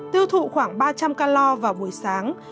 tiêu thụ khoảng ba trăm linh calor vào buổi sáng